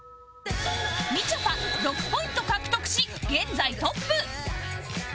みちょぱ６ポイント獲得し現在トップ